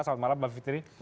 selamat malam mbak bivitri